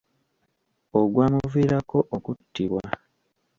Ogwamuviirako okuttibwa.